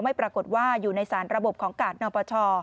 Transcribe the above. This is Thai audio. ปรากฏว่าอยู่ในสารระบบของกาศนปช